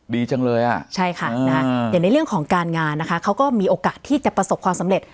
ดีจังเลยอ่ะใช่ค่ะนะฮะอย่างในเรื่องของการงานนะคะเขาก็มีโอกาสที่จะประสบความสำเร็จ